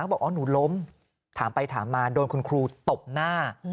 บอกอ๋อหนูล้มถามไปถามมาโดนคุณครูตบหน้า